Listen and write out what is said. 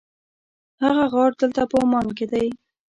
هغه غار دلته په عمان کې دی.